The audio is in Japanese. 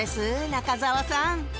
中澤さん